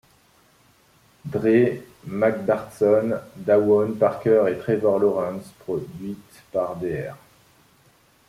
Dre, Mark Batson, Dawaun Parker et Trevor Lawrence, produite par Dr.